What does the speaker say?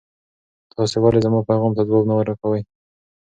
تاسو ولې زما پیغام ته ځواب نه راکوئ؟